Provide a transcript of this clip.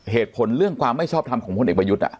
เหตุผลเรื่องความไม่ชอบทำของพลเอกประยุทธ์